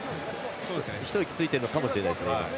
一息ついてるのかもしれない。